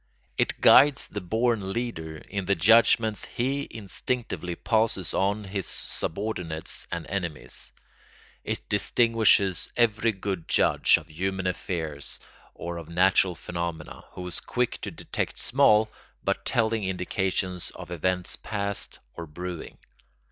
It guides the born leader in the judgments he instinctively passes on his subordinates and enemies; it distinguishes every good judge of human affairs or of natural phenomena, who is quick to detect small but telling indications of events past or brewing.